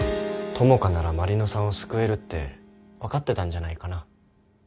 朋香なら麻里乃さんを救えるって分かってたんじゃないかな。